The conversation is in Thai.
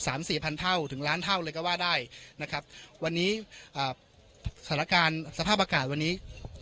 สี่พันเท่าถึงล้านเท่าเลยก็ว่าได้นะครับวันนี้อ่าสถานการณ์สภาพอากาศวันนี้